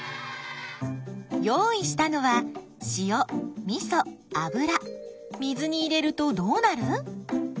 用意したのは塩みそ油水に入れるとどうなる？